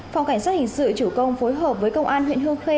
phòng cảnh sát hình sự chủ công phối hợp với công an huyện hương khê